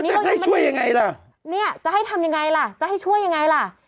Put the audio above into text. แล้วให้ช่วยยังไงล่ะเนี่ยจะให้ทำยังไงล่ะจะให้ช่วยยังไงล่ะ